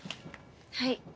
はい。